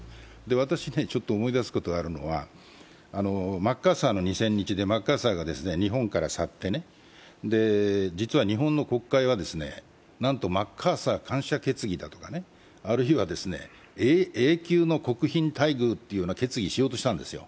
私、思い出すことがあるのは「マッカーサーの２０００日」でマッカーサーが日本から去って、実は日本の国会は、なんとマッカーサー感謝決議だとかあるいは永久の国賓待遇という決議をしようとしたんですよ。